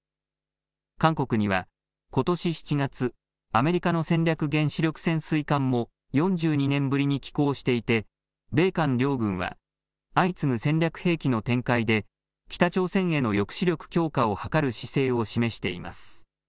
韓国には、ことし７月、アメリカの戦略原子力潜水艦も４２年ぶりに寄港していて、米韓両軍は、相次ぐ戦略兵器の展開で、北朝鮮への抑止力強化を図る姿勢を示しています。